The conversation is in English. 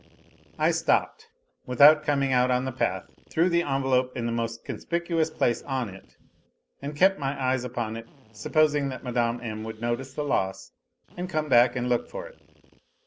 ... I stopped, without coming out on the path, threw the envelope in the most conspicuous place on it, and kept my eyes upon it, supposing that Mme. M. would notice the loss and come back and look for it.